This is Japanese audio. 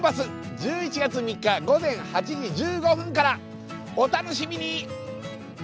１１月３日、午前８時１５分からお楽しみに！